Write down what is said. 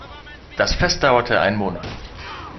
Das Fest dauerte einen Monat.